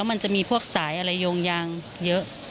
มันจะมีพวกสายอะไรโยงยางเยอะ